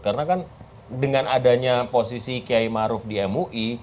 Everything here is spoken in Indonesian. karena kan dengan adanya posisi kiai maruf di mui